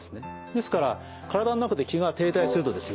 ですから体の中で気が停滞するとですね。